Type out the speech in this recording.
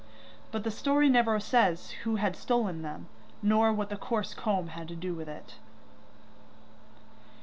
But the story never says who had stolen them, nor what the coarse comb had to do with it.